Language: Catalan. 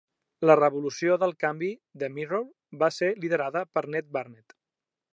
La revolució del canvi a The Mirror va ser liderada per Ned Barnett.